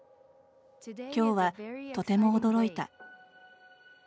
きょうは、とても驚いた。